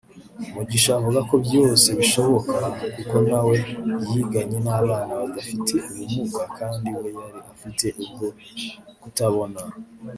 Mugisha avuga ko byose bishoboka kuko nawe yiganye n’abana badafite ubumuga kandi we yari afite ubwo kutabona